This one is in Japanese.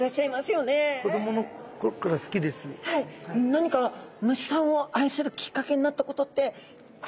何か虫さんを愛するきっかけになったことってあるんでしょうか？